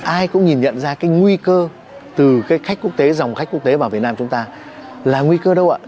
ai cũng nhìn nhận ra cái nguy cơ từ cái khách quốc tế dòng khách quốc tế vào việt nam chúng ta là nguy cơ đâu ạ